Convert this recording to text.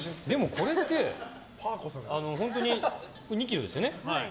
これ本当に２ｋｇですよね。